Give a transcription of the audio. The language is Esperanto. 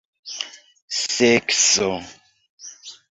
sekso